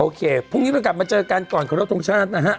พรุ่งนี้เรากลับมาเจอกันก่อนขอรบทรงชาตินะฮะ